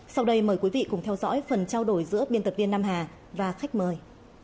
sau đây mời quý vị cùng theo dõi phần trao đổi giữa biên tập viên nam hà và khách mời